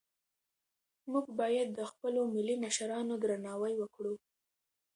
موږ باید د خپلو ملي مشرانو درناوی وکړو.